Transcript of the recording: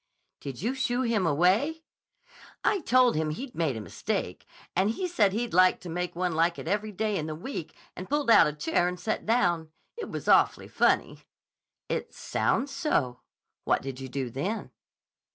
"Did you shoo him away?" "I told him he'd made a mistake, and he said he'd like to make one like it every day in the week and pulled out a chair and sat down. It was awfully funny." "It sounds so. What did you do then?"